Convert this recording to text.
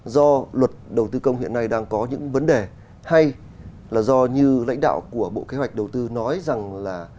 do luật đầu tư công hiện nay đang có những vấn đề hay là do như lãnh đạo của bộ kế hoạch đầu tư nói rằng là